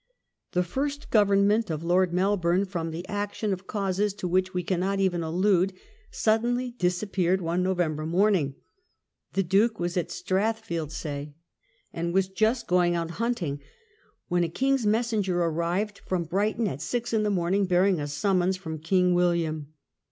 The first Government of Lord Melbourne, from the action of causes to which we cannot even allude, suddenly disappeared one November morn ing. The Duke was at Strathfieldsaye, and was just going out hunting when a king's messenger arrived from Brighton at six in the morning bearing a summons from King William.